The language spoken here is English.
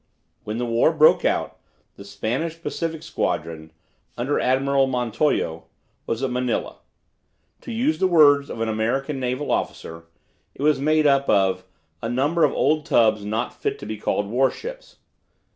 When the war broke out the Spanish Pacific Squadron, under Admiral Montojo, was at Manila. To use the words of an American naval officer, it was made up of "a number of old tubs not fit to be called warships."